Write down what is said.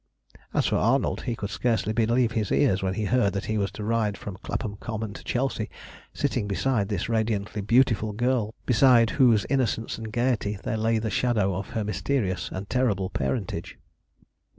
As for Arnold, he could scarcely believe his ears when he heard that he was to ride from Clapham Common to Chelsea sitting beside this radiantly beautiful girl, behind whose innocence and gaiety there lay the shadow of her mysterious and terrible parentage.